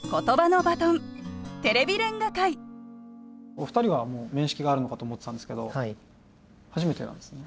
お二人は面識があるのかと思ってたんですけど初めてなんですね。